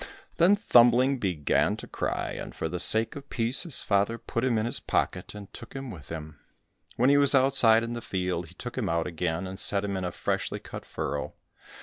Then Thumbling began to cry, and for the sake of peace his father put him in his pocket, and took him with him. When he was outside in the field, he took him out again, and set him in a freshly cut furrow.